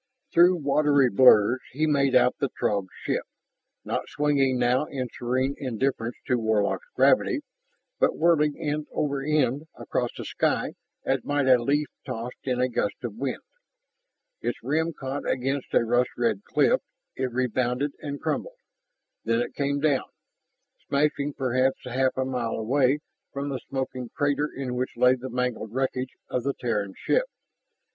Through watery blurs he made out the Throg ship, not swinging now in serene indifference to Warlock's gravity, but whirling end over end across the sky as might a leaf tossed in a gust of wind. Its rim caught against a rust red cliff, it rebounded and crumpled. Then it came down, smashing perhaps half a mile away from the smoking crater in which lay the mangled wreckage of the Terran ship.